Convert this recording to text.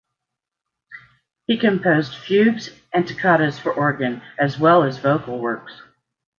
He composed fugues and toccatas for organ, as well as vocal works.